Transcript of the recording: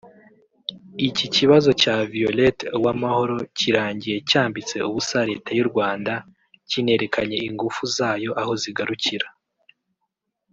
Iki kibazo cya Violette Uwamahoro kirangiye cyambitse ubusa Leta y’u Rwanda kinerekanye ingufu zayo aho zigarukira